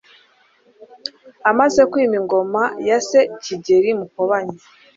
amaze kwima ingoma ya se Kigeli Mukobanya